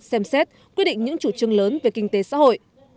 xem xét quyết định những chủ trương lớn về kinh tế xã hội